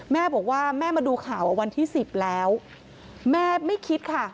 แม่บอกว่าแม่มาดูข่าววันที่สิบแล้วแม่ไม่คิดค่ะ